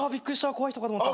怖い人かと思った。